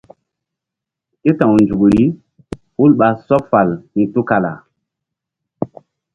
Ké ta̧w nzukri hul ɓa sɔɓ fal hi̧ tukala.